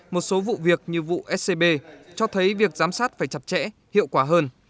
một số vụ việc như vụ scb cho thấy việc giám sát phải chặt chẽ hiệu quả hơn